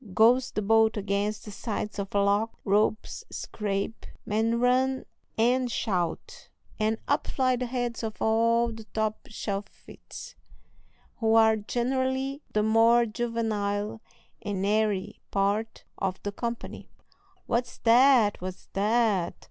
goes the boat against the sides of a lock; ropes scrape, men run and shout; and up fly the heads of all the top shelfites, who are generally the more juvenile and airy part of the company. "What's that! what's that!"